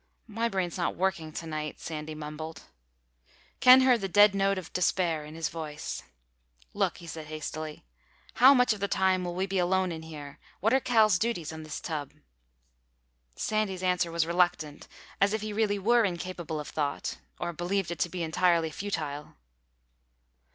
"My brain's not working tonight," Sandy mumbled. Ken heard the dead note of despair in his voice. "Look," he said hastily, "how much of the time will we be alone in here? What are Cal's duties on this tub?" Sandy's answer was reluctant, as if he really were incapable of thought—or believed it to be entirely futile.